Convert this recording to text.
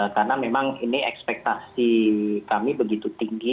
karena memang ini ekspektasi kami begitu tinggi